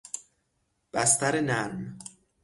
بستر نرم